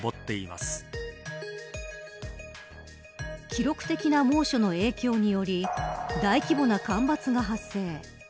記録的な猛暑の影響により大規模な干ばつが発生。